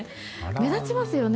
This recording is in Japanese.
目立ちますよね？